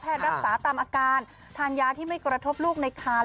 รักษาตามอาการทานยาที่ไม่กระทบลูกในคาน